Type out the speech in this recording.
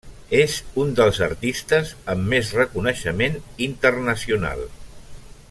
És un dels artistes amb més reconeixement internacional.